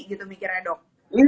gitu mikirnya doms